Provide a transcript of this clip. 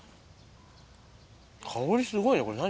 香りすごいねこれ何？